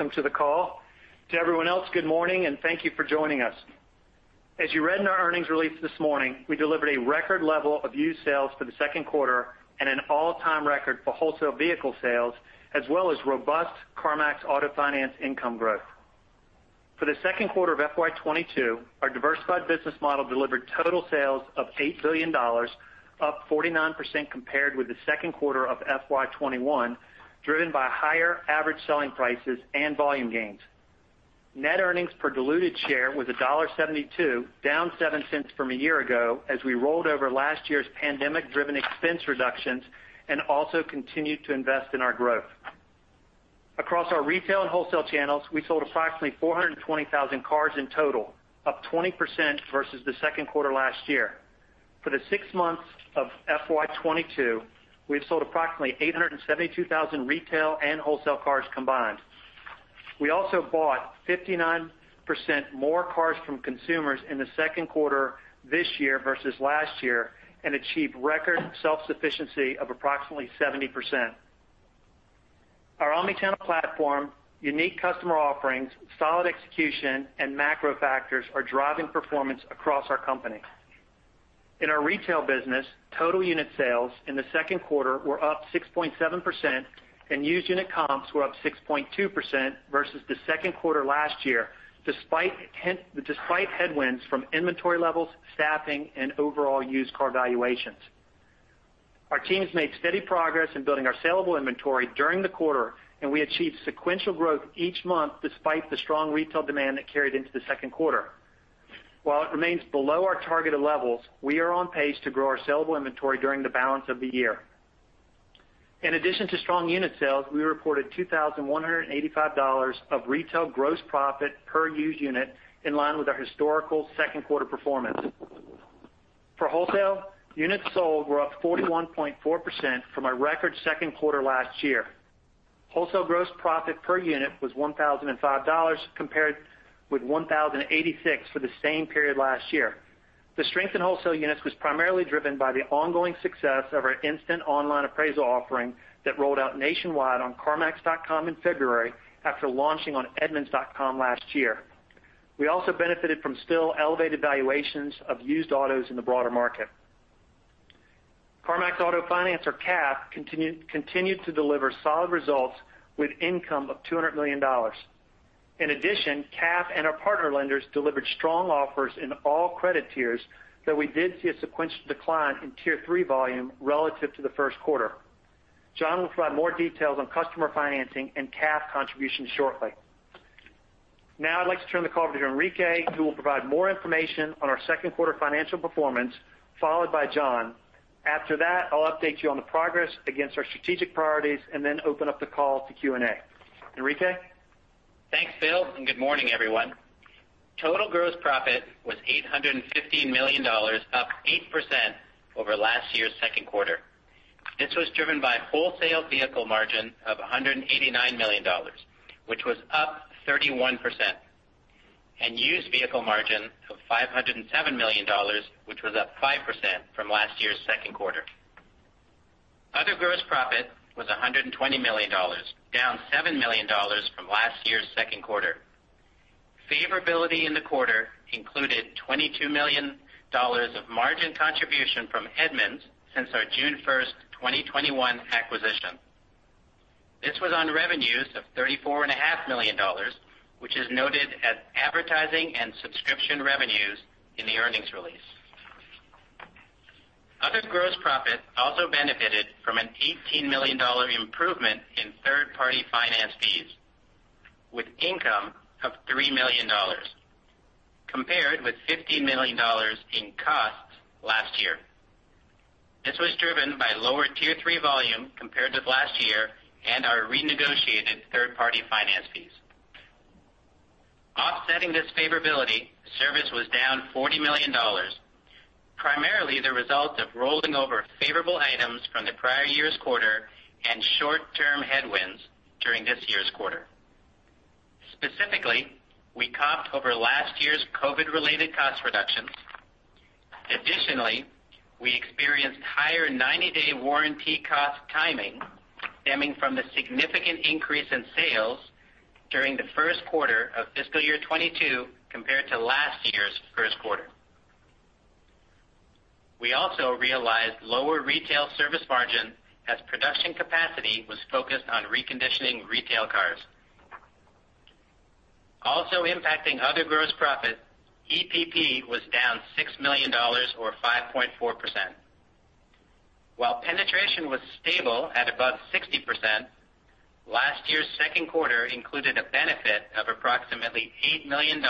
Welcome to the call. To everyone else, good morning, and thank you for joining us. As you read in our earnings release this morning, we delivered a record level of used sales for the second quarter and an all-time record for wholesale vehicle sales, as well as robust CarMax Auto Finance income growth. For the second quarter of FY 2022, our diversified business model delivered total sales of $8 billion, up 49% compared with the second quarter of FY 2021, driven by higher average selling prices and volume gains. Net earnings per diluted share was $1.72, down $0.07 from a year ago as we rolled over last year's pandemic-driven expense reductions and also continued to invest in our growth. Across our retail and wholesale channels, we sold approximately 420,000 cars in total, up 20% versus the second quarter last year. For the six months of FY 2022, we've sold approximately 872,000 retail and wholesale cars combined. We also bought 59% more cars from consumers in the second quarter this year versus last year and achieved record self-sufficiency of approximately 70%. Our omni-channel platform, unique customer offerings, solid execution, and macro factors are driving performance across our company. In our retail business, total unit sales in the second quarter were up 6.7% and used unit comps were up 6.2% versus the second quarter last year, despite headwinds from inventory levels, staffing, and overall used car valuations. Our teams made steady progress in building our saleable inventory during the quarter, and we achieved sequential growth each month despite the strong retail demand that carried into the second quarter. While it remains below our targeted levels, we are on pace to grow our saleable inventory during the balance of the year. In addition to strong unit sales, we reported $2,185 of retail gross profit per used unit, in line with our historical second quarter performance. For wholesale, units sold were up 41.4% from our record second quarter last year. Wholesale gross profit per unit was $1,005, compared with $1,086 for the same period last year. The strength in wholesale units was primarily driven by the ongoing success of our Instant Online Appraisal offering that rolled out nationwide on carmax.com in February after launching on edmunds.com last year. We also benefited from still elevated valuations of used autos in the broader market. CarMax Auto Finance or CAF continued to deliver solid results with income of $200 million. In addition, CAF and our partner lenders delivered strong offers in all credit tiers, though we did see a sequential decline in Tier 3 volume relative to the first quarter. Jon will provide more details on customer financing and CAF contributions shortly. Now I'd like to turn the call over to Enrique, who will provide more information on our second quarter financial performance, followed by John. After that, I'll update you on the progress against our strategic priorities and then open up the call to Q&A. Enrique? Thanks, Bill. Good morning, everyone. Total gross profit was $815 million, up 8% over last year's second quarter. This was driven by wholesale vehicle margin of $189 million, which was up 31%, and used vehicle margin of $507 million, which was up 5% from last year's second quarter. Other gross profit was $120 million, down $7 million from last year's second quarter. Favorability in the quarter included $22 million of margin contribution from Edmunds since our June 1st, 2021 acquisition. This was on revenues of $34.5 million, which is noted as advertising and subscription revenues in the earnings release. Other gross profit also benefited from an $18 million improvement in third-party finance fees, with income of $3 million, compared with $15 million in costs last year. This was driven by lower Tier 3 volume compared with last year and our renegotiated third-party finance fees. Offsetting this favorability, service was down $40 million, primarily the result of rolling over favorable items from the prior year's quarter and short-term headwinds during this year's quarter. Specifically, we comped over last year's COVID-related cost reductions. Additionally, we experienced higher 90-day warranty cost timing stemming from the significant increase in sales during the first quarter of fiscal year 2022 compared to last year's first quarter. We also realized lower retail service margin as production capacity was focused on reconditioning retail cars. Also impacting other gross profit, EPP was down $6 million or 5.4%. While penetration was stable at above 60%, last year's second quarter included a benefit of approximately $8 million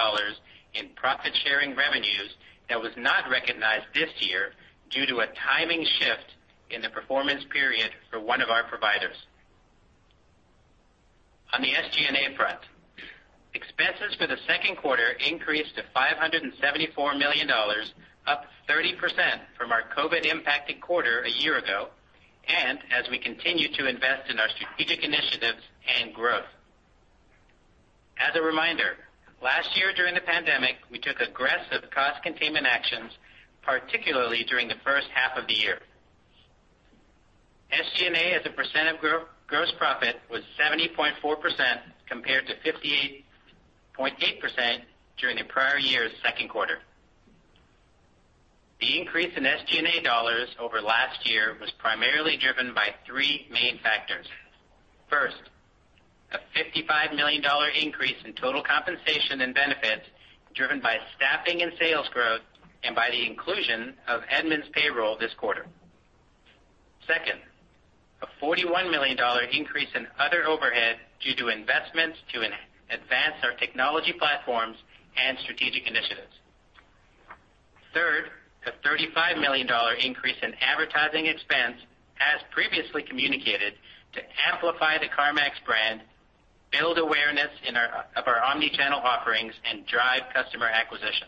in profit-sharing revenues that was not recognized this year due to a timing shift in the performance period for one of our providers. On the SG&A front, expenses for the second quarter increased to $574 million, up 30% from our COVID-impacted quarter a year ago, and as we continue to invest in our strategic initiatives and growth. As a reminder, last year during the pandemic, we took aggressive cost containment actions, particularly during the first half of the year. SG&A as a percentage of gross profit was 70.4%, compared to 58.8% during the prior year's second quarter. The increase in SG&A dollars over last year was primarily driven by three main factors. First, a $55 million increase in total compensation and benefits, driven by staffing and sales growth and by the inclusion of Edmunds' payroll this quarter. Second, a $41 million increase in other overhead due to investments to advance our technology platforms and strategic initiatives. Third, a $35 million increase in advertising expense, as previously communicated, to amplify the CarMax brand, build awareness of our omni-channel offerings, and drive customer acquisition.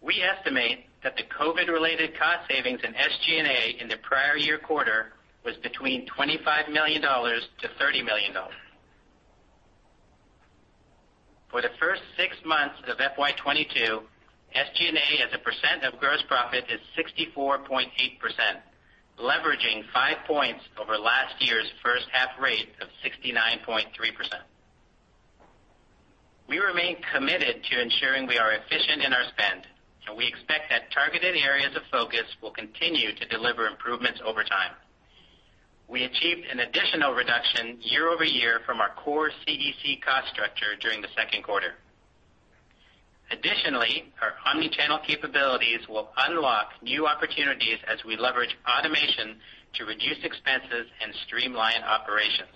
We estimate that the COVID-related cost savings in SG&A in the prior year quarter was between $25 million-$30 million. For the first six months of FY 2022, SG&A as a percent of gross profit is 64.8%, leveraging five points over last year's first half rate of 69.3%. We remain committed to ensuring we are efficient in our spend, we expect that targeted areas of focus will continue to deliver improvements over time. We achieved an additional reduction year-over-year from our core CEC cost structure during the second quarter. Our omni-channel capabilities will unlock new opportunities as we leverage automation to reduce expenses and streamline operations.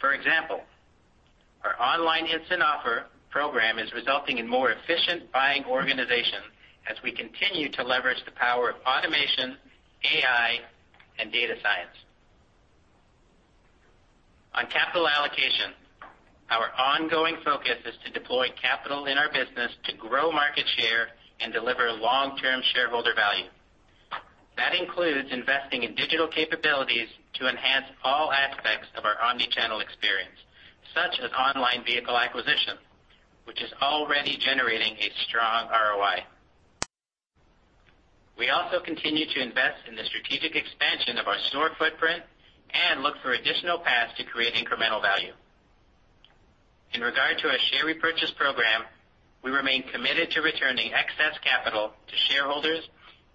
For example, our online Instant Offer program is resulting in more efficient buying organization as we continue to leverage the power of automation, AI, and data science. On capital allocation, our ongoing focus is to deploy capital in our business to grow market share and deliver long-term shareholder value. That includes investing in digital capabilities to enhance all aspects of our omni-channel experience, such as online vehicle acquisition, which is already generating a strong ROI. We also continue to invest in the strategic expansion of our store footprint and look for additional paths to create incremental value. In regard to our share repurchase program, we remain committed to returning excess capital to shareholders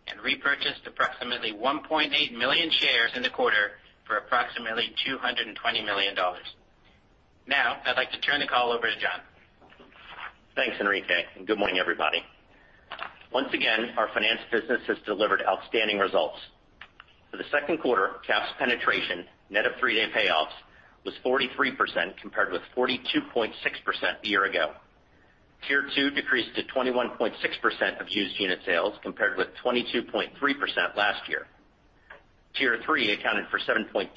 and repurchased approximately 1.8 million shares in the quarter for approximately $220 million. I'd like to turn the call over to Jon. Thanks, Enrique. Good morning, everybody. Once again, our finance business has delivered outstanding results. For the second quarter, CAF's penetration net of three-day payoffs was 43% compared with 42.6% a year ago. Tier 2 decreased to 21.6% of used unit sales compared with 22.3% last year. Tier 3 accounted for 7.2%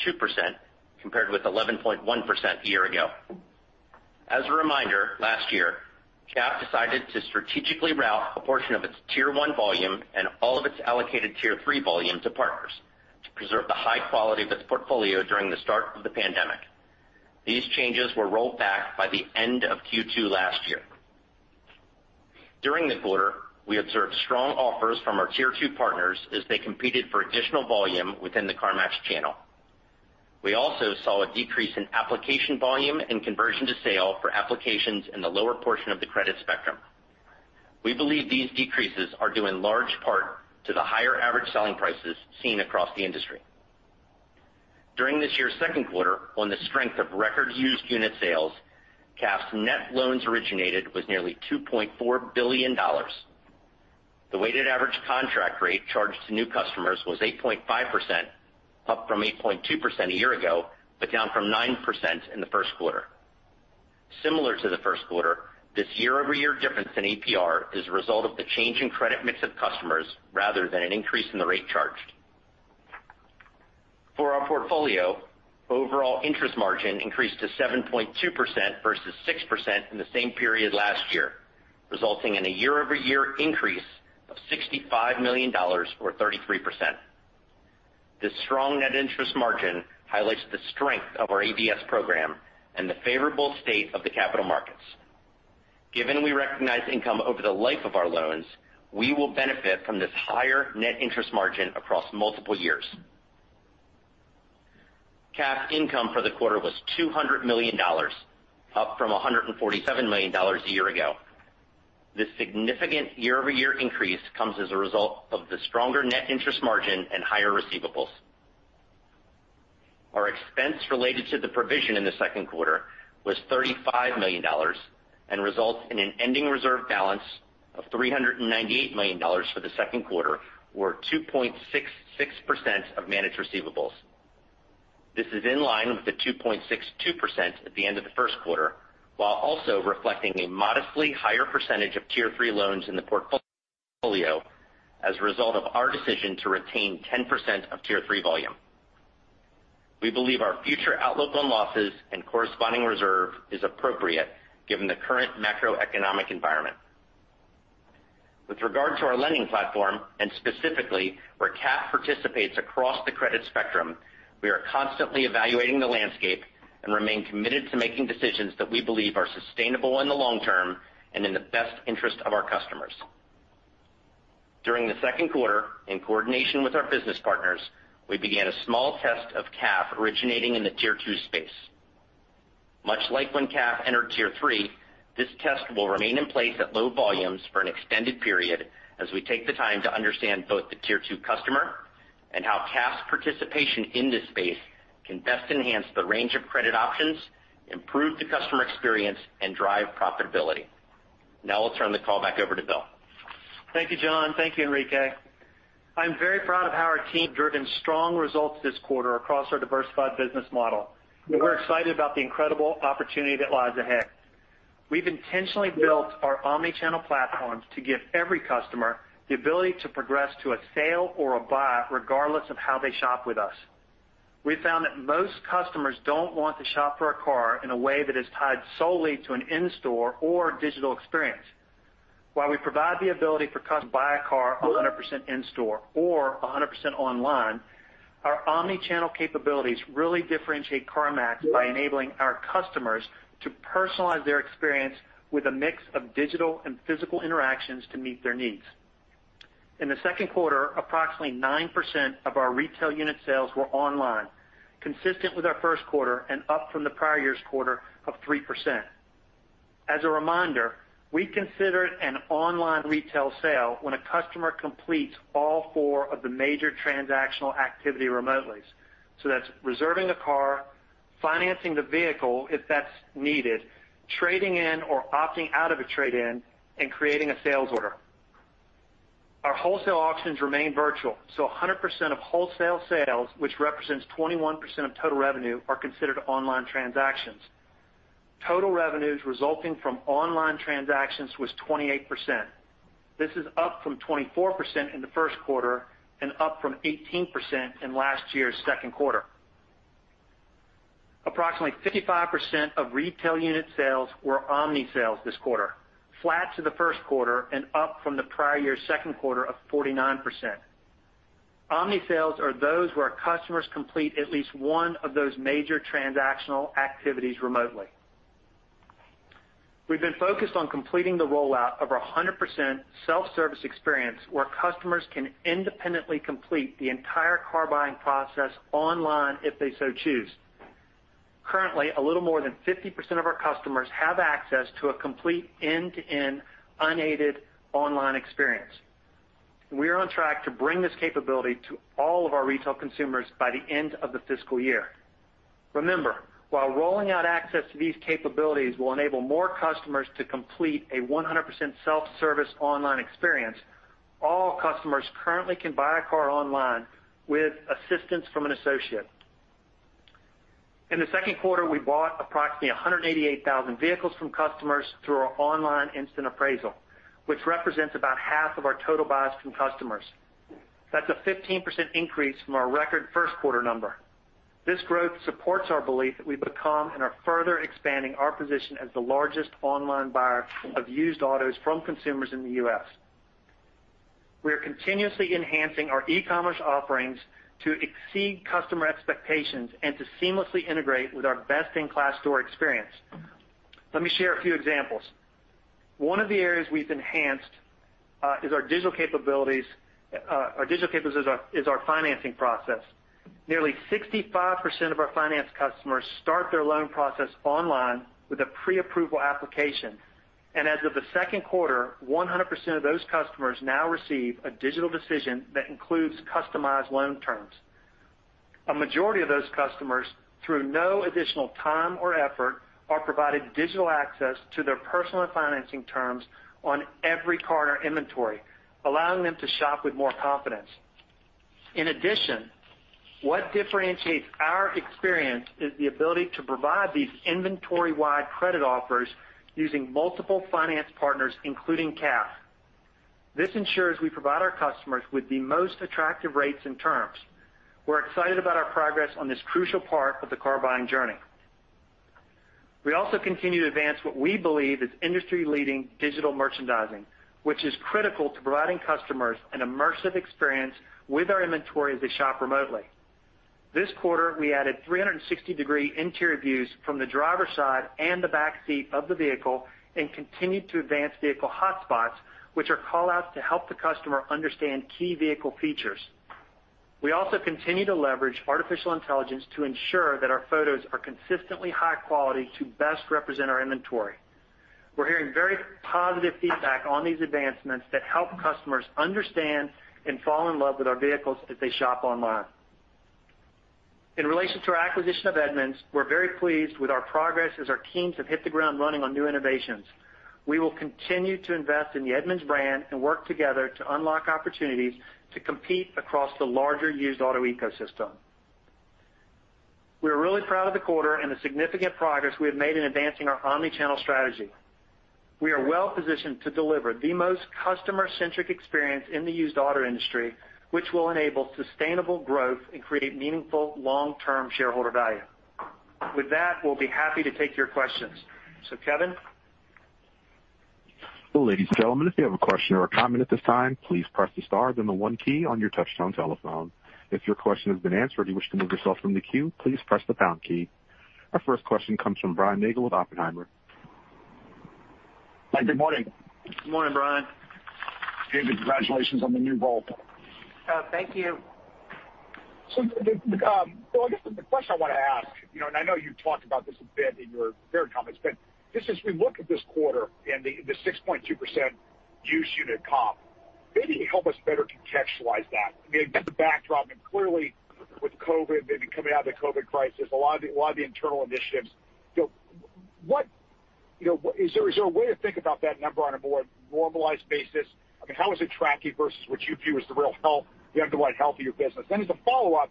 compared with 11.1% a year ago. As a reminder, last year, CAF decided to strategically route a portion of its Tier 1 volume and all of its allocated Tier 3 volume to partners to preserve the high quality of its portfolio during the start of the pandemic. These changes were rolled back by the end of Q2 last year. During the quarter, we observed strong offers from our Tier 2 partners as they competed for additional volume within the CarMax channel. We also saw a decrease in application volume and conversion to sale for applications in the lower portion of the credit spectrum. We believe these decreases are due in large part to the higher average selling prices seen across the industry. During this year's second quarter, on the strength of record used unit sales, CAF's net loans originated was nearly $2.4 billion. The weighted average contract rate charged to new customers was 8.5%, up from 8.2% a year ago, but down from 9% in the first quarter. Similar to the first quarter, this year-over-year difference in APR is a result of the change in credit mix of customers rather than an increase in the rate charged. For our portfolio, overall interest margin increased to 7.2% versus 6% in the same period last year, resulting in a year-over-year increase of $65 million, or 33%. This strong net interest margin highlights the strength of our ABS program and the favorable state of the capital markets. Given we recognize income over the life of our loans, we will benefit from this higher net interest margin across multiple years. CAF income for the quarter was $200 million, up from $147 million a year ago. This significant year-over-year increase comes as a result of the stronger net interest margin and higher receivables. Our expense related to the provision in the second quarter was $35 million and results in an ending reserve balance of $398 million for the second quarter, or 2.66% of managed receivables. This is in line with the 2.62% at the end of the first quarter, while also reflecting a modestly higher percentage of Tier 3 loans in the portfolio as a result of our decision to retain 10% of Tier 3 volume. We believe our future outlook on losses and corresponding reserve is appropriate given the current macroeconomic environment. With regard to our lending platform, and specifically where CAF participates across the credit spectrum, we are constantly evaluating the landscape and remain committed to making decisions that we believe are sustainable in the long term and in the best interest of our customers. During the second quarter, in coordination with our business partners, we began a small test of CAF originating in the Tier 2 space. Much like when CAF entered Tier 3, this test will remain in place at low volumes for an extended period as we take the time to understand both the Tier 2 customer and how CAF's participation in this space can best enhance the range of credit options, improve the customer experience, and drive profitability. Now I'll turn the call back over to Bill. Thank you, Jon. Thank you, Enrique. I'm very proud of how our team driven strong results this quarter across our diversified business model. We're excited about the incredible opportunity that lies ahead. We've intentionally built our omni-channel platforms to give every customer the ability to progress to a sale or a buy regardless of how they shop with us. We found that most customers don't want to shop for a car in a way that is tied solely to an in-store or digital experience. While we provide the ability for a customer to buy a car 100% in store or 100% online, our omni-channel capabilities really differentiate CarMax by enabling our customers to personalize their experience with a mix of digital and physical interactions to meet their needs. In the second quarter, approximately 9% of our retail unit sales were online, consistent with our first quarter and up from the prior year's quarter of 3%. As a reminder, we consider it an online retail sale when a customer completes all four of the major transactional activity remotely. That's reserving a car, financing the vehicle if that's needed, trading in or opting out of a trade-in, and creating a sales order. Our wholesale auctions remain virtual. 100% of wholesale sales, which represents 21% of total revenue, are considered online transactions. Total revenues resulting from online transactions was 28%. This is up from 24% in the first quarter and up from 18% in last year's second quarter. Approximately 55% of retail unit sales were omni sales this quarter, flat to the first quarter and up from the prior year's second quarter of 49%. Omni sales are those where customers complete at least one of those major transactional activities remotely. We've been focused on completing the rollout of our 100% self-service experience, where customers can independently complete the entire car-buying process online if they so choose. Currently, a little more than 50% of our customers have access to a complete end-to-end unaided online experience. We are on track to bring this capability to all of our retail consumers by the end of the fiscal year. Remember, while rolling out access to these capabilities will enable more customers to complete a 100% self-service online experience, all customers currently can buy a car online with assistance from an associate. In the second quarter, we bought approximately 188,000 vehicles from customers through our instant online appraisal, which represents about half of our total buys from customers. That's a 15% increase from our record first quarter number. This growth supports our belief that we've become and are further expanding our position as the largest online buyer of used autos from consumers in the U.S. We are continuously enhancing our e-commerce offerings to exceed customer expectations and to seamlessly integrate with our best-in-class store experience. Let me share a few examples. One of the areas we've enhanced is our financing process. Nearly 65% of our finance customers start their loan process online with a preapproval application. As of the second quarter, 100% of those customers now receive a digital decision that includes customized loan terms. A majority of those customers, through no additional time or effort, are provided digital access to their personal financing terms on every car in our inventory, allowing them to shop with more confidence. In addition, what differentiates our experience is the ability to provide these inventory-wide credit offers using multiple finance partners, including CAF. This ensures we provide our customers with the most attractive rates and terms. We're excited about our progress on this crucial part of the car-buying journey. We also continue to advance what we believe is industry-leading digital merchandising, which is critical to providing customers an immersive experience with our inventory as they shop remotely. This quarter, we added 360-degree interior views from the driver's side and the back seat of the vehicle and continued to advance vehicle hotspots, which are call-outs to help the customer understand key vehicle features. We also continue to leverage artificial intelligence to ensure that our photos are consistently high quality to best represent our inventory. We're hearing very positive feedback on these advancements that help customers understand and fall in love with our vehicles as they shop online. In relation to our acquisition of Edmunds, we're very pleased with our progress as our teams have hit the ground running on new innovations. We will continue to invest in the Edmunds brand and work together to unlock opportunities to compete across the larger used auto ecosystem. We are really proud of the quarter and the significant progress we have made in advancing our omni-channel strategy. We are well-positioned to deliver the most customer-centric experience in the used auto industry, which will enable sustainable growth and create meaningful long-term shareholder value. With that, we'll be happy to take your questions. Kevin? Our first question comes from Brian Nagel with Oppenheimer. Hi. Good morning. Good morning, Brian. David, congratulations on the new role. Thank you. I guess the question I want to ask, and I know you've talked about this a bit in your prepared comments, just as we look at this quarter and the 6.2% used unit comp, maybe help us better contextualize that. I mean, against the backdrop, and clearly with COVID, maybe coming out of the COVID crisis, a lot of the internal initiatives, is there a way to think about that number on a more normalized basis? I mean, how is it tracking versus what you view as the real health, the underlying health of your business? As a follow-up,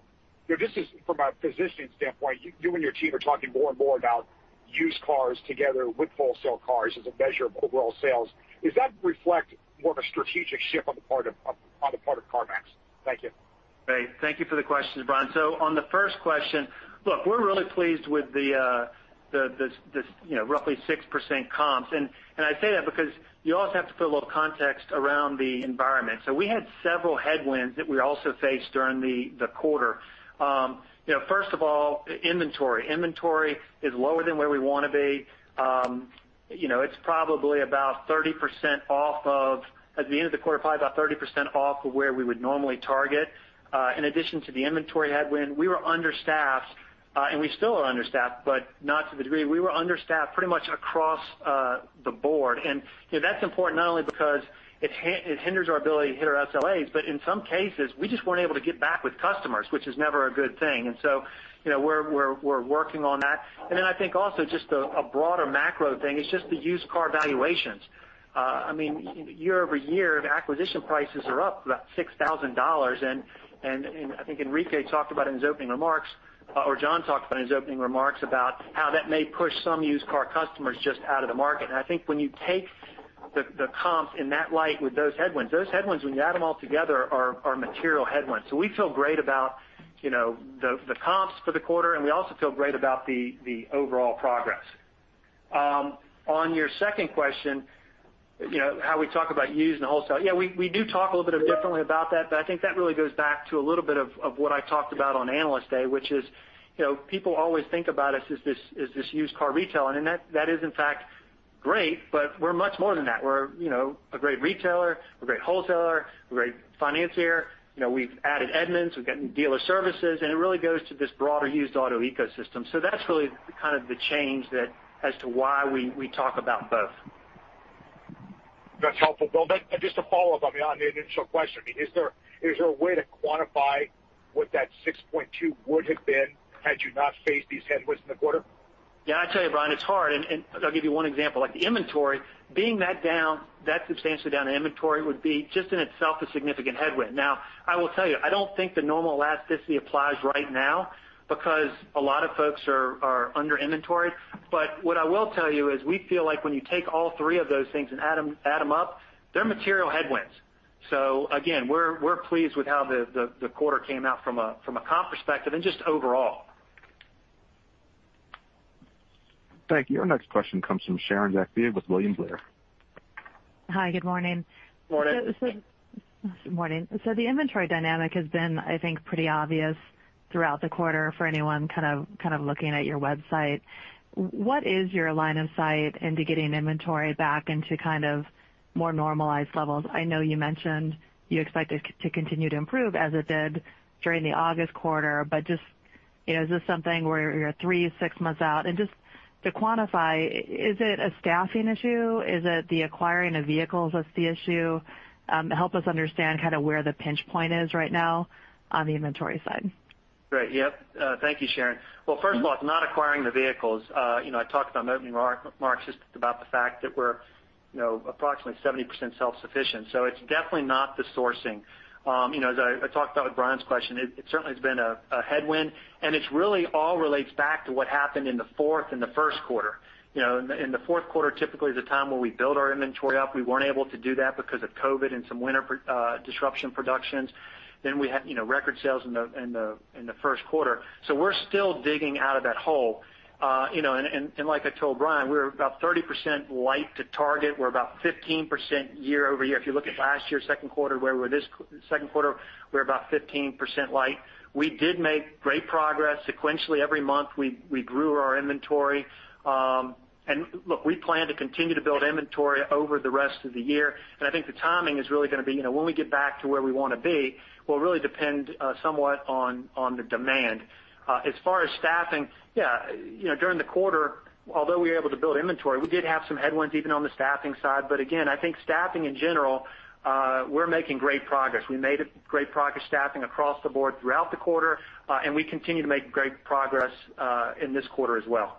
just from a positioning standpoint, you and your team are talking more and more about used cars together with wholesale cars as a measure of overall sales. Does that reflect more of a strategic shift on the part of CarMax? Thank you. Great. Thank you for the questions, Brian. On the first question, look, we're really pleased with the roughly 6% comps. I say that because you always have to put a little context around the environment. We had several headwinds that we also faced during the quarter. First of all, inventory. Inventory is lower than where we want to be. At the end of the quarter, probably about 30% off of where we would normally target. In addition to the inventory headwind, we were understaffed, and we still are understaffed, but not to the degree. We were understaffed pretty much across the board. That's important not only because it hinders our ability to hit our SLAs, but in some cases, we just weren't able to get back with customers, which is never a good thing. We're working on that. I think also just a broader macro thing is just the used car valuations. I mean, year-over-year, the acquisition prices are up about $6,000, and I think Enrique talked about it in his opening remarks, or Jon talked about it in his opening remarks, about how that may push some used car customers just out of the market. I think when you take the comps in that light with those headwinds, when you add them all together, are material headwinds. We feel great about the comps for the quarter, and we also feel great about the overall progress. On your second question, how we talk about used and wholesale. We do talk a little bit differently about that, but I think that really goes back to a little bit of what I talked about on Analyst Day, which is, people always think about us as this used car retailer, and that is, in fact, great, but we're much more than that. We're a great retailer, a great wholesaler, a great financier. We've added Edmunds, we've got new dealer services, and it really goes to this broader used auto ecosystem. That's really kind of the change as to why we talk about both. That's helpful, Bill. Just to follow up on the initial question, is there a way to quantify what that 6.2% would have been had you not faced these headwinds in the quarter? I tell you, Brian, it's hard, and I'll give you one example. Like the inventory, being that substantially down in inventory would be just in itself a significant headwind. I will tell you, I don't think the normal elasticity applies right now because a lot of folks are under inventoried. What I will tell you is we feel like when you take all three of those things and add them up, they're material headwinds. Again, we're pleased with how the quarter came out from a comp perspective and just overall. Thank you. Our next question comes from Sharon Zackfia with William Blair. Hi, good morning. Morning. Good morning. The inventory dynamic has been, I think, pretty obvious throughout the quarter for anyone kind of looking at your website. What is your line of sight into getting inventory back into more normalized levels? I know you mentioned you expect it to continue to improve as it did during the August quarter, is this something where you're three, six months out? Just to quantify, is it a staffing issue? Is it the acquiring of vehicles that's the issue? Help us understand kind of where the pinch point is right now on the inventory side. Great. Yep. Thank you, Sharon. First of all, it's not acquiring the vehicles. I talked about in my opening remarks just about the fact that we're approximately 70% self-sufficient, it's definitely not the sourcing. As I talked about with Brian's question, it certainly has been a headwind, it really all relates back to what happened in the fourth and the first quarter. In the fourth quarter, typically is the time where we build our inventory up. We weren't able to do that because of COVID and some winter disruption productions. We had record sales in the first quarter. We're still digging out of that hole. Like I told Brian, we're about 30% light to target. We're about 15% year-over-year. If you look at last year's second quarter, where we were this second quarter, we're about 15% light. We did make great progress sequentially every month. We grew our inventory. Look, we plan to continue to build inventory over the rest of the year. I think the timing is really going to be, when we get back to where we want to be, will really depend somewhat on the demand. As far as staffing, yeah, during the quarter, although we were able to build inventory, we did have some headwinds even on the staffing side. Again, I think staffing in general, we're making great progress. We made great progress staffing across the board throughout the quarter, and we continue to make great progress in this quarter as well.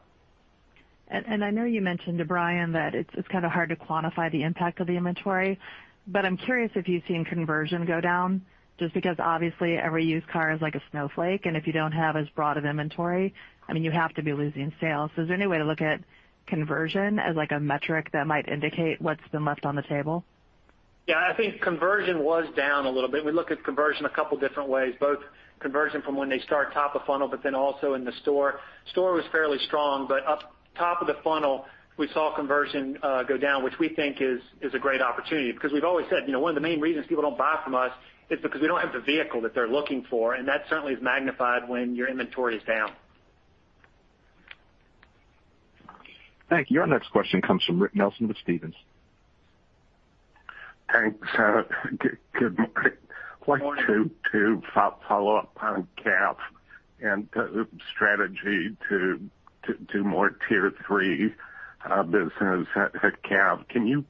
I know you mentioned to Brian that it's kind of hard to quantify the impact of the inventory, but I'm curious if you've seen conversion go down, just because obviously every used car is like a snowflake, and if you don't have as broad of inventory, I mean, you have to be losing sales. Is there any way to look at conversion as like a metric that might indicate what's been left on the table? Yeah, I think conversion was down a little bit. We look at conversion a couple different ways, both conversion from when they start top of funnel, but then also in the store. Store was fairly strong, but Top of the funnel, we saw conversion go down, which we think is a great opportunity because we've always said, one of the main reasons people don't buy from us is because we don't have the vehicle that they're looking for, and that certainly is magnified when your inventory is down. Thank you. Our next question comes from Rick Nelson with Stephens. Thanks. Good morning. Morning. Wanted to follow up on CAF and the strategy to do more Tier 3 business at CAF. Can you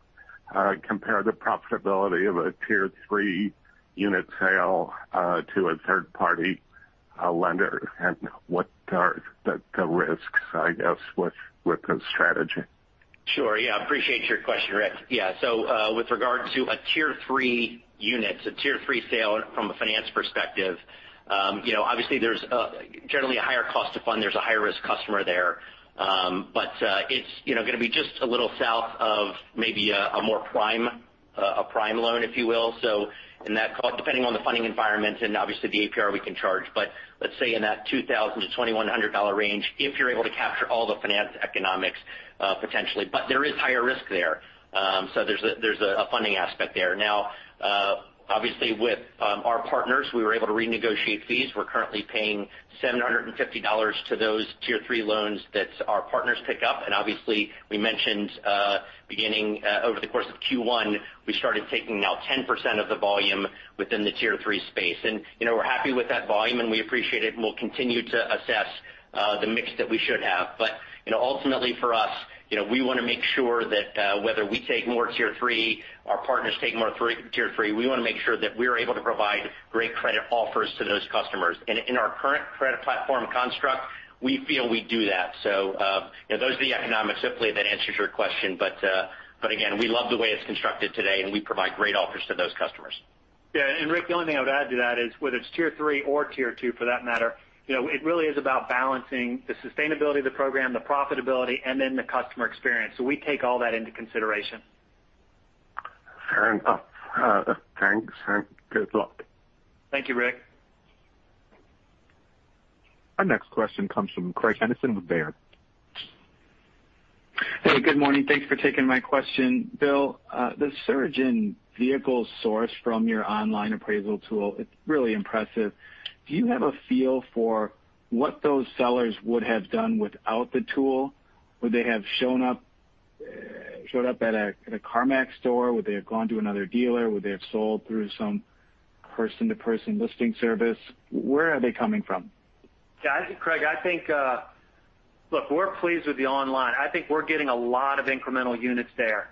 compare the profitability of a Tier 3 unit sale to a third-party lender? What are the risks, I guess, with the strategy? Sure. Yeah. Appreciate your question, Rick. With regard to a Tier 3 unit, it's a Tier 3 sale from a finance perspective. Obviously, there's generally a higher cost to fund. There's a higher risk customer there. It's going to be just a little south of maybe a more prime loan, if you will. In that cost, depending on the funding environment, and obviously the APR we can charge, let's say in that $2,000-$2,100 range, if you're able to capture all the finance economics, potentially. There is higher risk there. There's a funding aspect there. Now, obviously, with our partners, we were able to renegotiate fees. We're currently paying $750 to those Tier 3 loans that our partners pick up. Obviously, we mentioned, beginning over the course of Q1, we started taking now 10% of the volume within the Tier 3 space. We're happy with that volume, and we appreciate it, and we'll continue to assess the mix that we should have. Ultimately for us, we want to make sure that, whether we take more Tier 3, our partners take more Tier 3, we want to make sure that we are able to provide great credit offers to those customers. In our current credit platform construct, we feel we do that. Those are the economics. Hopefully, that answers your question. Again, we love the way it's constructed today, and we provide great offers to those customers. Yeah. Rick, the only thing I would add to that is whether it's Tier 3 or Tier 2 for that matter, it really is about balancing the sustainability of the program, the profitability, and then the customer experience. We take all that into consideration. Fair enough. Thanks, and good luck. Thank you, Rick. Our next question comes from Craig Kennison with Baird. Hey, good morning. Thanks for taking my question. Bill, the surge in vehicle source from your online appraisal tool, it is really impressive. Do you have a feel for what those sellers would have done without the tool? Would they have shown up at a CarMax store? Would they have gone to another dealer? Would they have sold through some person-to-person listing service? Where are they coming from? Craig, look, we're pleased with the online. I think we're getting a lot of incremental units there.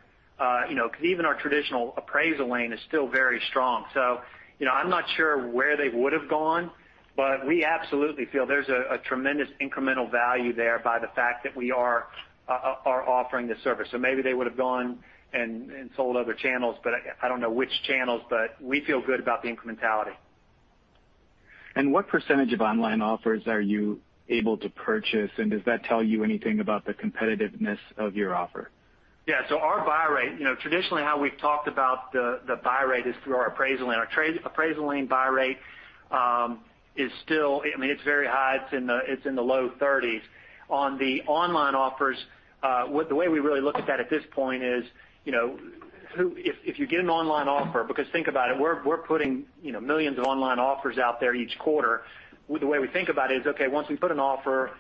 Even our traditional appraisal lane is still very strong. I'm not sure where they would have gone, but we absolutely feel there's a tremendous incremental value there by the fact that we are offering the service. Maybe they would have gone and sold other channels, but I don't know which channels, but we feel good about the incrementality. What percentage of online offers are you able to purchase, and does that tell you anything about the competitiveness of your offer? Our buy rate, traditionally how we've talked about the buy rate is through our appraisal lane. Our appraisal lane buy rate is still very high. It's in the low 30s. On the online offers, the way we really look at that at this point is, if you get an online offer, because think about it, we're putting millions of online offers out there each quarter. The way we think about it is, okay, once we put an offer,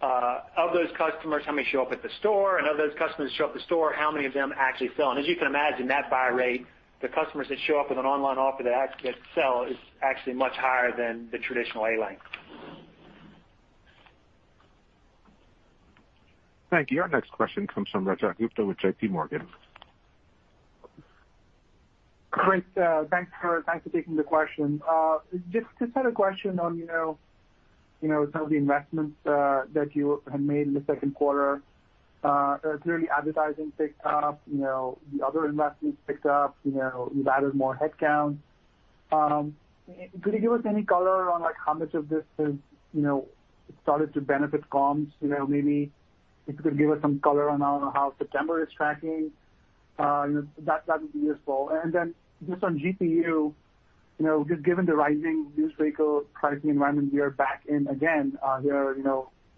of those customers, how many show up at the store? Of those customers who show up at the store, how many of them actually sell? As you can imagine, that buy rate, the customers that show up with an online offer that sell is actually much higher than the traditional A lane. Thank you. Our next question comes from Rajat Gupta with JPMorgan. Great. Thanks for taking the question. Just had a question on some of the investments that you had made in the second quarter. Clearly advertising picked up. The other investments picked up. You've added more headcount. Could you give us any color on how much of this has started to benefit comps? Maybe if you could give us some color on how September is tracking. That would be useful. Just on GPU, just given the rising used vehicle pricing environment we are back in again here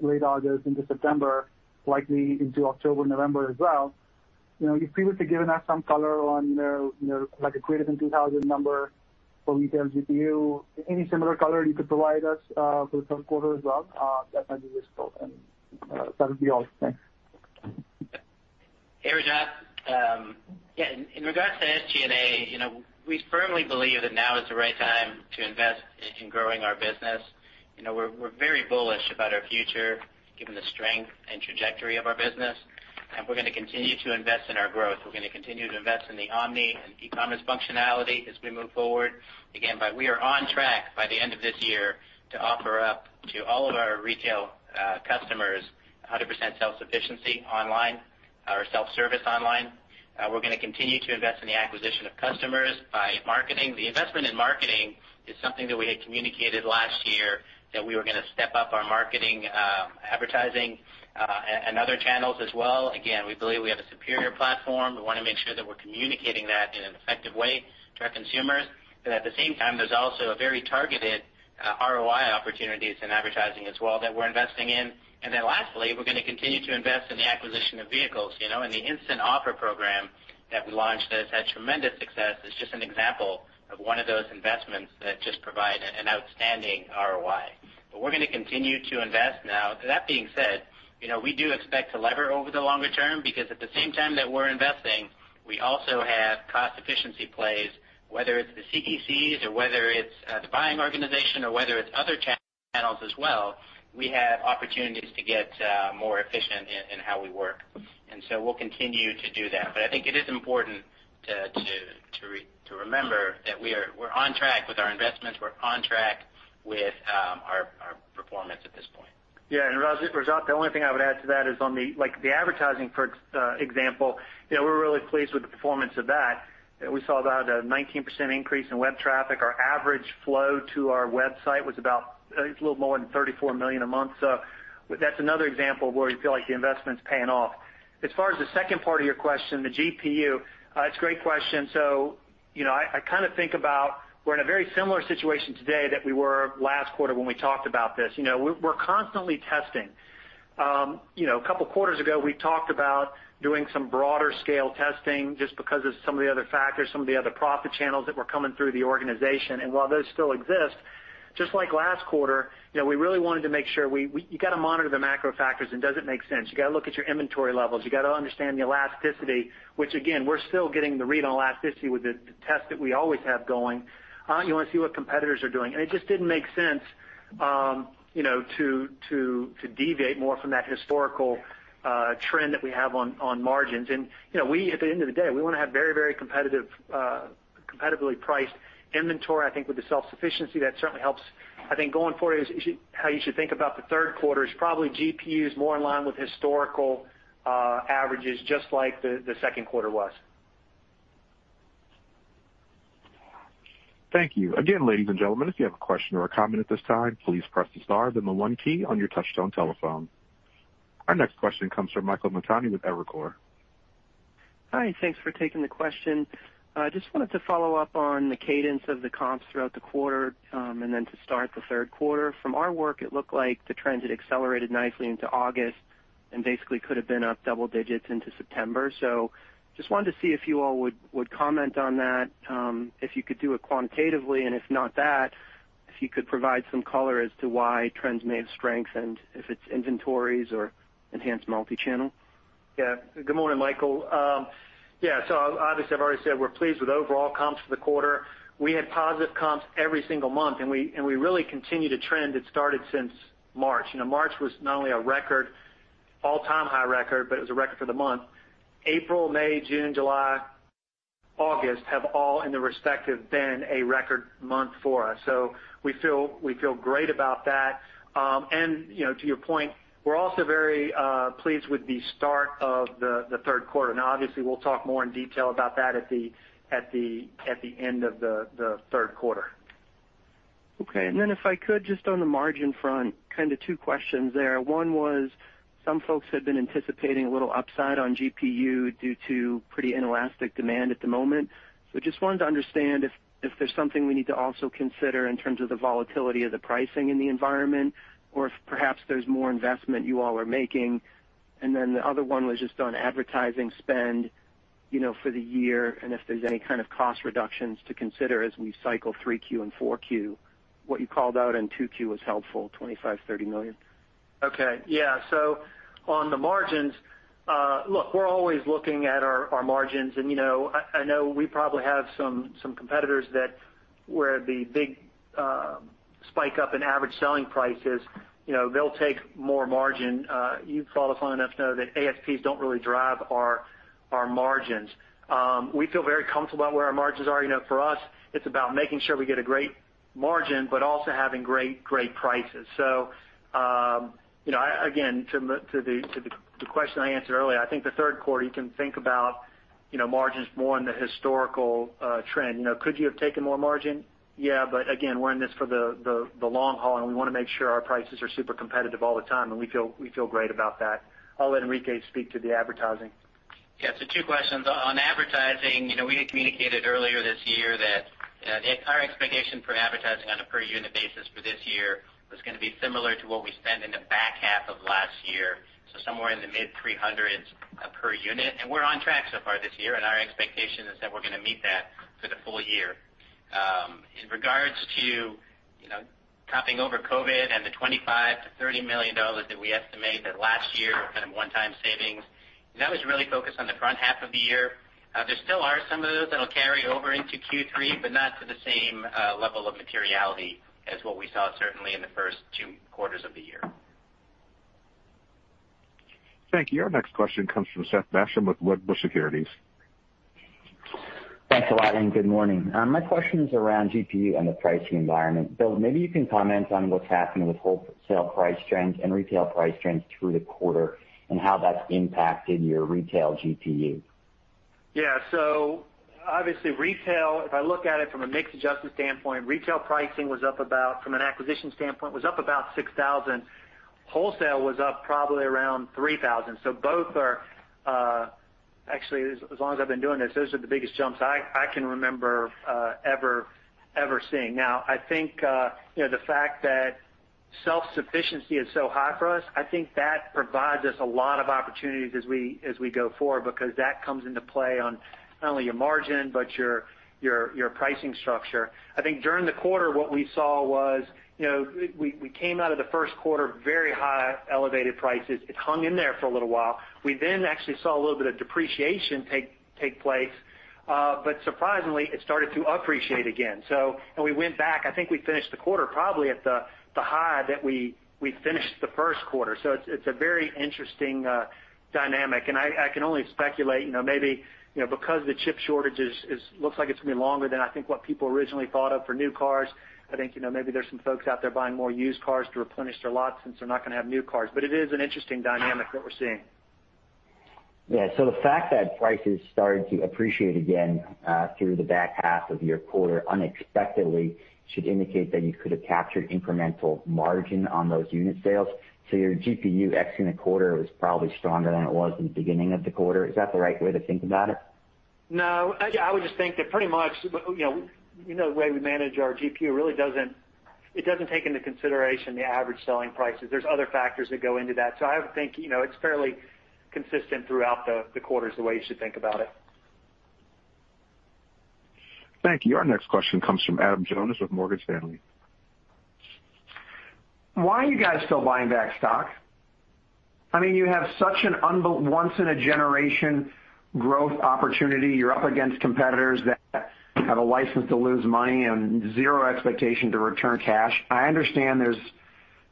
late August into September, likely into October, November as well. If you would have given us some color on like a greater than $2,000 number for retail GPU. Any similar color you could provide us for the third quarter as well, that might be useful. That would be all. Thanks. Hey, Raj. In regards to SG&A, we firmly believe that now is the right time to invest in growing our business. We're very bullish about our future, given the strength and trajectory of our business, and we're going to continue to invest in our growth. We're going to continue to invest in the omni and e-commerce functionality as we move forward. Again, we are on track by the end of this year to offer up to all of our retail customers 100% self-sufficiency online or self-service online. We're going to continue to invest in the acquisition of customers by marketing. The investment in marketing is something that we had communicated last year that we were going to step up our marketing, advertising, and other channels as well. Again, we believe we have a superior platform. We want to make sure that we're communicating that in an effective way to our consumers. At the same time, there's also a very targeted. ROI opportunities in advertising as well that we're investing in. Lastly, we're going to continue to invest in the acquisition of vehicles. The Instant Offer program that we launched has had tremendous success, is just an example of one of those investments that just provide an outstanding ROI. We're going to continue to invest. Now, that being said, we do expect to lever over the longer term because at the same time that we're investing, we also have cost efficiency plays, whether it's the CECs or whether it's the buying organization or whether it's other channels as well. We have opportunities to get more efficient in how we work. We'll continue to do that. I think it is important to remember that we're on track with our investments. We're on track with our performance at this point. Yeah. Rajat, the only thing I would add to that is on the advertising, for example, we're really pleased with the performance of that. We saw about a 19% increase in web traffic. Our average flow to our website was about a little more than 34 million a month. That's another example of where we feel like the investment's paying off. As far as the second part of your question, the GPU. It's a great question. I kind of think about, we're in a very similar situation today that we were last quarter when we talked about this. We're constantly testing. A couple of quarters ago, we talked about doing some broader scale testing just because of some of the other factors, some of the other profit channels that were coming through the organization. While those still exist, just like last quarter, we really wanted to make sure, you got to monitor the macro factors and does it make sense? You got to look at your inventory levels. You got to understand the elasticity, which again, we're still getting the read on elasticity with the test that we always have going. You want to see what competitors are doing. It just didn't make sense to deviate more from that historical trend that we have on margins. At the end of the day, we want to have very competitively priced inventory. I think with the self-sufficiency, that certainly helps. I think going forward, how you should think about the third quarter is probably GPU is more in line with historical averages, just like the second quarter was. Thank you. Again, ladies and gentlemen, if you have a question or a comment at this time, please press the star, then the one key on your touchtone telephone. Our next question comes from Michael Montani with Evercore. Hi, thanks for taking the question. Just wanted to follow up on the cadence of the comps throughout the quarter and then to start the third quarter. From our work, it looked like the trends had accelerated nicely into August and basically could have been up double digits into September. Just wanted to see if you all would comment on that, if you could do it quantitatively, and if not that, if you could provide some color as to why trends may have strengthened, if it's inventories or enhanced multi-channel. Good morning, Michael. Obviously, I've already said we're pleased with overall comps for the quarter. We had positive comps every single month, and we really continue to trend. It started since March. March was not only a record, all-time high record, but it was a record for the month. April, May, June, July, August have all, in the respective, been a record month for us. We feel great about that. To your point, we're also very pleased with the start of the third quarter. Now, obviously, we'll talk more in detail about that at the end of the third quarter. Okay. If I could, just on the margin front, kind of two questions there. One was, some folks had been anticipating a little upside on GPU due to pretty inelastic demand at the moment. Just wanted to understand if there's something we need to also consider in terms of the volatility of the pricing in the environment or if perhaps there's more investment you all are making. The other one was just on advertising spend for the year and if there's any kind of cost reductions to consider as we cycle 3Q and 4Q, what you called out in 2Q was helpful, $25 million-$30 million. Okay. Yeah. On the margins, look, we're always looking at our margins, and I know we probably have some competitors that where the big spike up in average selling price is, they'll take more margin. You follow us long enough to know that ASPs don't really drive our margins. We feel very comfortable about where our margins are. For us, it's about making sure we get a great margin, but also having great prices. Again, to the question I answered earlier, I think the third quarter you can think about margins more in the historical trend. Could you have taken more margin? Yeah, again, we're in this for the long haul, and we want to make sure our prices are super competitive all the time, and we feel great about that. I'll let Enrique speak to the advertising. Yeah. Two questions. On advertising, we had communicated earlier this year that our expectation for advertising on a per unit basis for this year was going to be similar to what we spent in the back half of last year. Somewhere in the mid-300s per unit. We're on track so far this year, and our expectation is that we're going to meet that for the full year. In regards to topping over COVID and the $25 million-$30 million that we estimate that last year were kind of one-time savings, that was really focused on the front half of the year. There still are some of those that'll carry over into Q3, but not to the same level of materiality as what we saw certainly in the first two quarters of the year. Thank you. Our next question comes from Seth Basham with Wedbush Securities. Thanks a lot and good morning. My question is around GPU and the pricing environment. Bill, maybe you can comment on what's happening with wholesale price trends and retail price trends through the quarter and how that's impacted your retail GPU. Yeah. Obviously retail, if I look at it from a mix-adjusted standpoint, retail pricing was up about, from an acquisition standpoint, was up about $6,000. Wholesale was up probably around $3,000. Both are actually, as long as I've been doing this, those are the biggest jumps I can remember ever seeing. I think the fact that self-sufficiency is so high for us, I think that provides us a lot of opportunities as we go forward, because that comes into play on not only your margin, but your pricing structure. I think during the quarter, what we saw was, we came out of the first quarter, very high elevated prices. It hung in there for a little while. We actually saw a little bit of depreciation take place. Surprisingly, it started to appreciate again. We went back, I think we finished the quarter probably at the high that we finished the first quarter. It's a very interesting dynamic. I can only speculate, maybe because the chip shortage looks like it's going to be longer than I think what people originally thought of for new cars. I think maybe there's some folks out there buying more used cars to replenish their lots since they're not going to have new cars. It is an interesting dynamic that we're seeing. Yeah. The fact that prices started to appreciate again, through the back half of your quarter unexpectedly should indicate that you could have captured incremental margin on those unit sales. Your GPU ex in the quarter was probably stronger than it was in the beginning of the quarter. Is that the right way to think about it? No. I would just think that pretty much, the way we manage our GPU really doesn't take into consideration the average selling prices. There's other factors that go into that. I would think, it's fairly consistent throughout the quarters the way you should think about it. Thank you. Our next question comes from Adam Jonas with Morgan Stanley. Why are you guys still buying back stock? You have such an unbelievable once-in-a-generation growth opportunity. You're up against competitors that have a license to lose money and zero expectation to return cash. I understand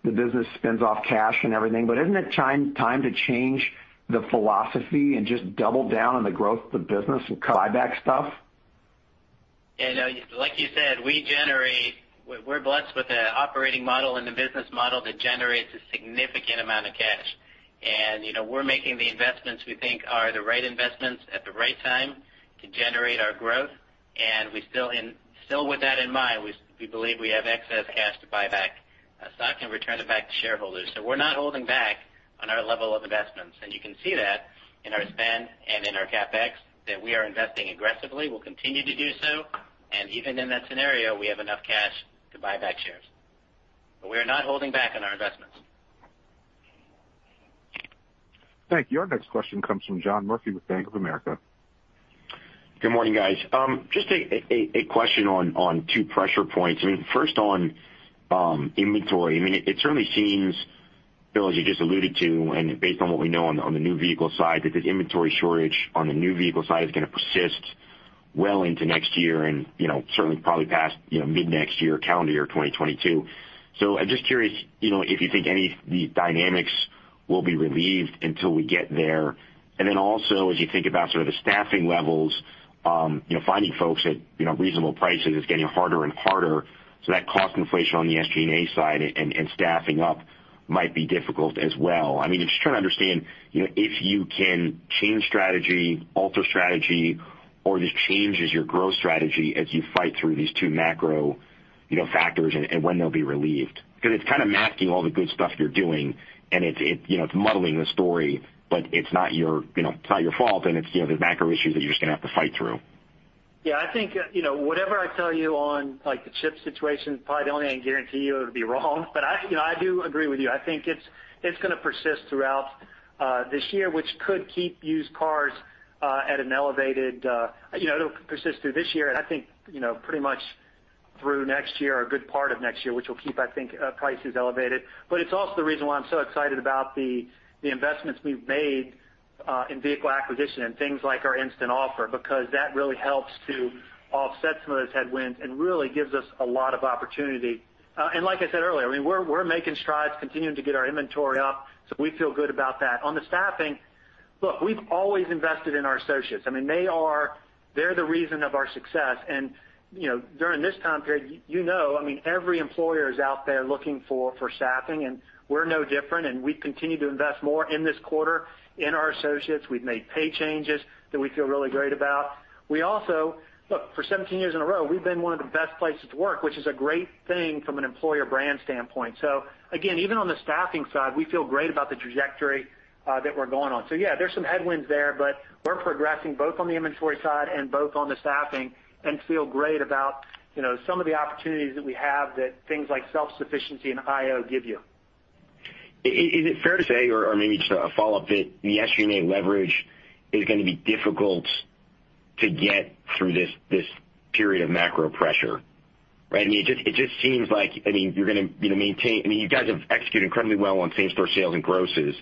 the business spins off cash and everything, but isn't it time to change the philosophy and just double down on the growth of the business and buy back stuff? Like you said, we're blessed with an operating model and a business model that generates a significant amount of cash. We're making the investments we think are the right investments at the right time to generate our growth. Still with that in mind, we believe we have excess cash to buy back stock and return it back to shareholders. We're not holding back on our level of investments. You can see that in our spend and in our CapEx, that we are investing aggressively. We'll continue to do so. Even in that scenario, we have enough cash to buy back shares. We are not holding back on our investments. Thank you. Our next question comes from John Murphy with Bank of America. Good morning, guys. Just a question on two pressure points. First on inventory. It certainly seems, Bill, as you just alluded to, and based on what we know on the new vehicle side, that this inventory shortage on the new vehicle side is going to persist well into next year and certainly probably past mid next year, calendar year 2022. I'm just curious if you think any of these dynamics will be relieved until we get there. Then also, as you think about sort of the staffing levels, finding folks at reasonable prices is getting harder and harder. That cost inflation on the SG&A side and staffing up might be difficult as well. Just trying to understand if you can change strategy, alter strategy, or this changes your growth strategy as you fight through these two macro factors, and when they'll be relieved. It's kind of masking all the good stuff you're doing, and it's muddling the story, but it's not your fault, and it's the macro issues that you're just going to have to fight through. Yeah. I think, whatever I tell you on the chip situation, probably the only thing I can guarantee you it would be wrong. I do agree with you. I think it's going to persist throughout this year, and I think pretty much through next year, or a good part of next year, which will keep, I think, prices elevated. It's also the reason why I'm so excited about the investments we've made in vehicle acquisition and things like our Instant Offer, because that really helps to offset some of those headwinds and really gives us a lot of opportunity. Like I said earlier, we're making strides, continuing to get our inventory up. We feel good about that. On the staffing, look, we've always invested in our associates. They're the reason of our success. During this time period, you know, every employer is out there looking for staffing, and we're no different, and we continue to invest more in this quarter in our associates. We've made pay changes that we feel really great about. Look, for 17 years in a row, we've been one of the best places to work, which is a great thing from an employer brand standpoint. Again, even on the staffing side, we feel great about the trajectory that we're going on. Yeah, there's some headwinds there, but we're progressing both on the inventory side and both on the staffing and feel great about some of the opportunities that we have that things like self-sufficiency and IO give you. Is it fair to say, or maybe just a follow-up, that the SG&A leverage is going to be difficult to get through this period of macro pressure, right? It just seems like you're going to maintain, you guys have executed incredibly well on same-store sales and grosses,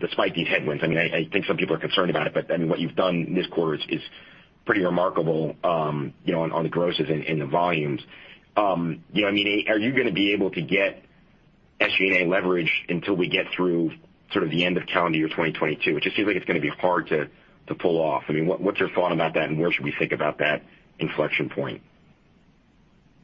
despite these headwinds. I think some people are concerned about it, but what you've done this quarter is pretty remarkable on the grosses and the volumes. Are you going to be able to get SG&A leverage until we get through sort of the end of calendar year 2022? It just seems like it's going to be hard to pull off. What's your thought about that, and where should we think about that inflection point?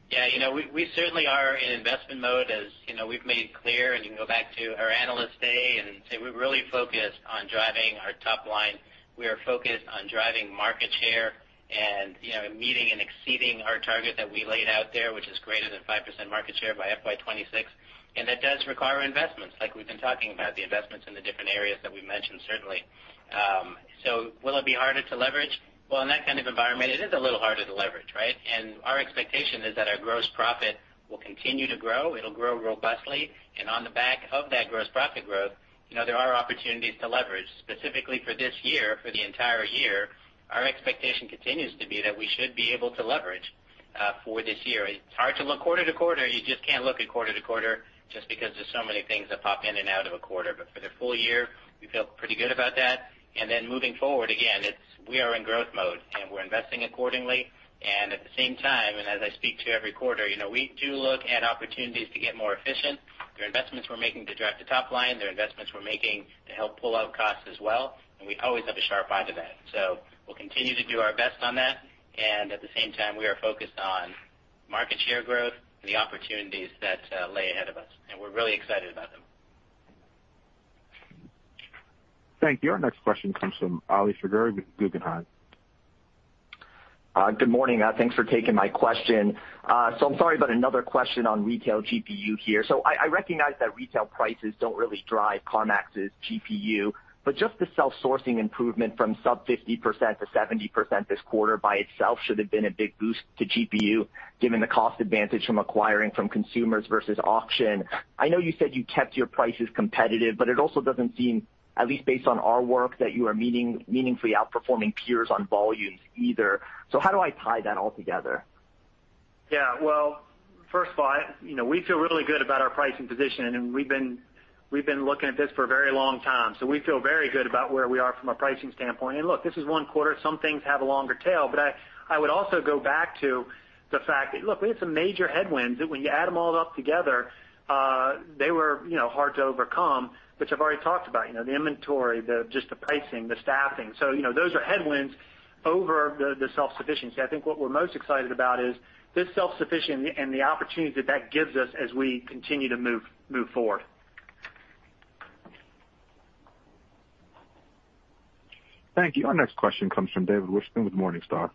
Yeah, we certainly are in investment mode, as we've made clear. You can go back to our Analyst Day and say we're really focused on driving our top line. We are focused on driving market share and meeting and exceeding our target that we laid out there, which is greater than 5% market share by FY 2026. That does require investments, like we've been talking about, the investments in the different areas that we've mentioned, certainly. Will it be harder to leverage? Well, in that kind of environment, it is a little harder to leverage, right? Our expectation is that our gross profit will continue to grow, it'll grow robustly. On the back of that gross profit growth, there are opportunities to leverage. Specifically for this year, for the entire year, our expectation continues to be that we should be able to leverage for this year. It's hard to look quarter to quarter. You just can't look at quarter to quarter just because there's so many things that pop in and out of a quarter. For the full year, we feel pretty good about that. Then moving forward, again, we are in growth mode, and we're investing accordingly. At the same time, and as I speak to every quarter, we do look at opportunities to get more efficient. There are investments we're making to drive the top line. There are investments we're making to help pull out costs as well, and we always have a sharp eye to that. We'll continue to do our best on that. At the same time, we are focused on market share growth and the opportunities that lay ahead of us, and we're really excited about them. Thank you. Our next question comes from Ali Faghri with Guggenheim. Good morning. Thanks for taking my question. I'm sorry, but another question on retail GPU here. I recognize that retail prices don't really drive CarMax's GPU, but just the self-sourcing improvement from sub 50% to 70% this quarter by itself should have been a big boost to GPU, given the cost advantage from acquiring from consumers versus auction. I know you said you kept your prices competitive, but it also doesn't seem, at least based on our work, that you are meaningfully outperforming peers on volumes either. How do I tie that all together? Yeah. Well, first of all, we feel really good about our pricing position, and we've been looking at this for a very long time. We feel very good about where we are from a pricing standpoint. Look, this is one quarter. Some things have a longer tail, but I would also go back to the fact that, look, we had some major headwinds that when you add them all up together, they were hard to overcome, which I've already talked about. The inventory, just the pricing, the staffing. Those are headwinds over the self-sufficiency. I think what we're most excited about is this self-sufficiency and the opportunities that that gives us as we continue to move forward. Thank you. Our next question comes from David Whiston with Morningstar.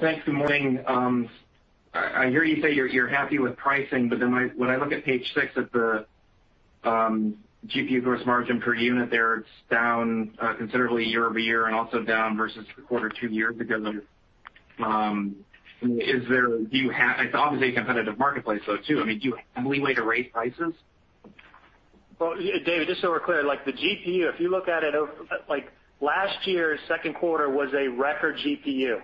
Thanks. Good morning. I hear you say you're happy with pricing, but then when I look at page six of the GPU gross margin per unit there, it's down considerably year-over-year and also down versus the quarter two. It's obviously a competitive marketplace, though, too. I mean, do you have any way to raise prices? David, just so we're clear, the GPU, if you look at it, last year's second quarter was a record GPU,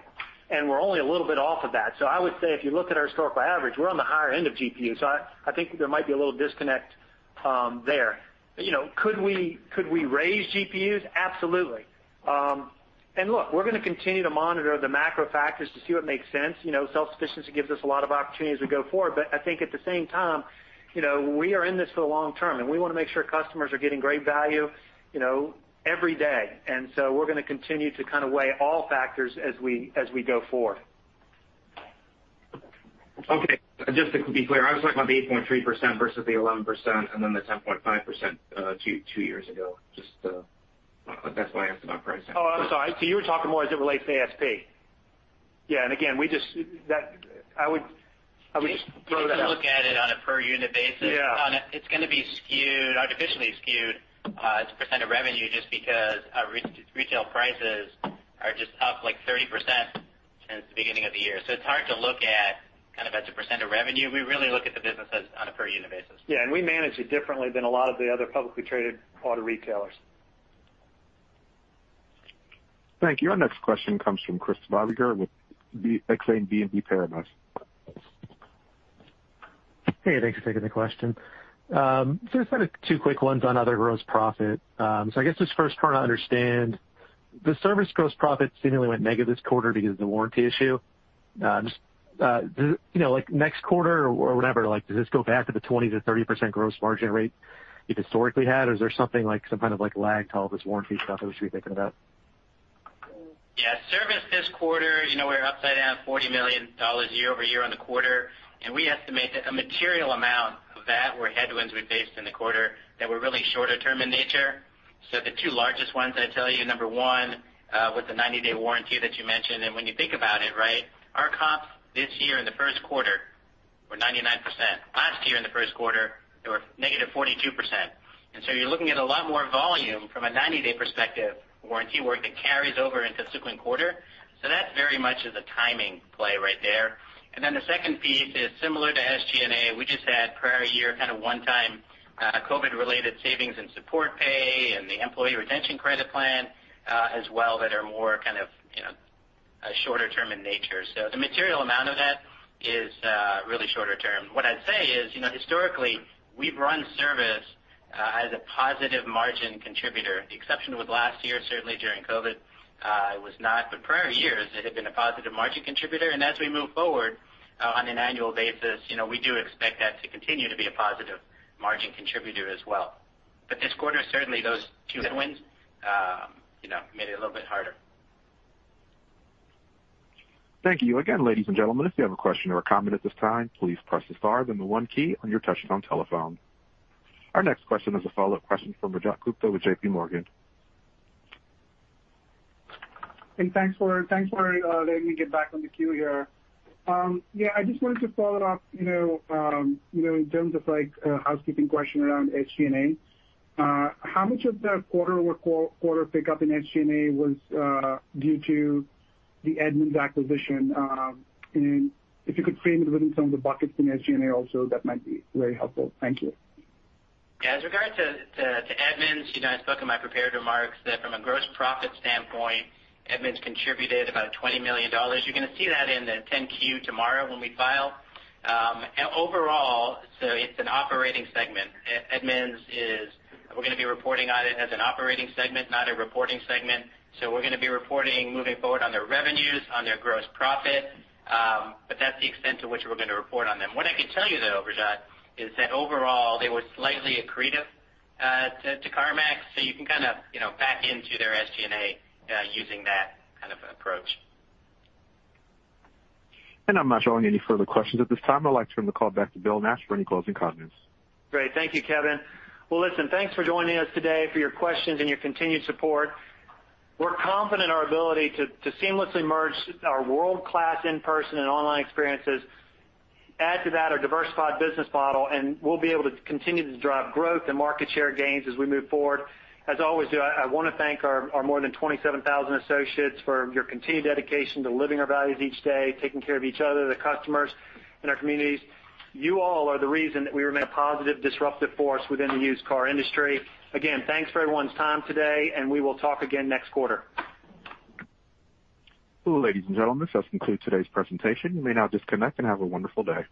and we're only a little bit off of that. I would say if you look at our historical average, we're on the higher end of GPU. I think there might be a little disconnect there. Could we raise GPUs? Absolutely. Look, we're going to continue to monitor the macro factors to see what makes sense. Self-sufficiency gives us a lot of opportunity as we go forward. I think at the same time, we are in this for the long term, and we want to make sure customers are getting great value every day. We're going to continue to kind of weigh all factors as we go forward. Okay. Just to be clear, I was talking about the 8.3% versus the 11% and then the 10.5% two years ago. That's why I asked about pricing. Oh, I'm sorry. You were talking more as it relates to ASP. Yeah. Again, I would just throw that out. If you look at it on a per unit basis. Yeah it's going to be artificially skewed as a percent of revenue just because our retail prices are just up, like, 30% since the beginning of the year. It's hard to look at it as a percent of revenue. We really look at the business on a per unit basis. Yeah. We manage it differently than a lot of the other publicly traded auto retailers. Thank you. Our next question comes from Chris Bottiglieri with Exane BNP Paribas. Hey, thanks for taking the question. I just had two quick ones on other gross profit. I guess just first trying to understand, the service gross profit seemingly went negative this quarter because of the warranty issue. Next quarter or whenever, does this go back to the 20%-30% gross margin rate you historically had, or is there something like some kind of lag to all this warranty stuff I should be thinking about? Yeah. Service this quarter, we're upside down $40 million year-over-year on the quarter. We estimate that a material amount of that were headwinds we faced in the quarter that were really shorter term in nature. The two largest ones that I'll tell you, number one, was the 90-day warranty that you mentioned. When you think about it, our comp this year in the first quarter were 99%. Last year in the first quarter, they were -42%. You're looking at a lot more volume from a 90-day perspective warranty work that carries over into subsequent quarter. That very much is a timing play right there. The second piece is similar to SG&A. We just had prior year kind of one-time COVID-related savings and support pay and the Employee Retention Credit plan as well that are more kind of shorter term in nature. The material amount of that is really shorter term. What I'd say is, historically, we've run service as a positive margin contributor. The exception was last year, certainly during COVID, it was not. Prior years, it had been a positive margin contributor. As we move forward. On an annual basis, we do expect that to continue to be a positive margin contributor as well. This quarter, certainly those two headwinds made it a little bit harder. Thank you again, ladies and gentlemen. Our next question is a follow-up question from Rajat Gupta with JPMorgan. Hey, thanks for letting me get back on the queue here. Yeah, I just wanted to follow it up in terms of a housekeeping question around SG&A. How much of that quarter-over-quarter pickup in SG&A was due to the Edmunds acquisition? If you could frame it within some of the buckets in SG&A also, that might be very helpful. Thank you. As regards to Edmunds, I spoke in my prepared remarks that from a gross profit standpoint, Edmunds contributed about $20 million. You're going to see that in the 10-Q tomorrow when we file. Overall, it's an operating segment. Edmunds, we're going to be reporting on it as an operating segment, not a reporting segment. We're going to be reporting moving forward on their revenues, on their gross profit. That's the extent to which we're going to report on them. What I can tell you, though, Rajat, is that overall, they were slightly accretive to CarMax, so you can kind of back into their SG&A using that kind of approach. I'm not showing any further questions at this time. I'd like to turn the call back to Bill Nash for any closing comments. Great. Thank you, Kevin. Well, listen, thanks for joining us today, for your questions and your continued support. We're confident in our ability to seamlessly merge our world-class in-person and online experiences. Add to that our diversified business model, and we'll be able to continue to drive growth and market share gains as we move forward. As always, I want to thank our more than 27,000 associates for your continued dedication to living our values each day, taking care of each other, the customers, and our communities. You all are the reason that we remain a positive disruptive force within the used car industry. Again, thanks for everyone's time today, and we will talk again next quarter. Ladies and gentlemen, this does conclude today's presentation. You may now disconnect, and have a wonderful day.